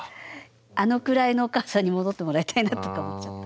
あのくらいのお母さんに戻ってもらいたいなとか思っちゃった。